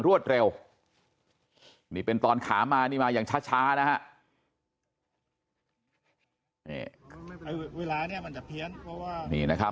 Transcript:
รวดเร็วมีเป็นตอนขามานี่มาอย่างช้านะ